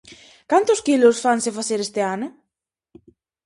Cantos quilos fanse facer este ano?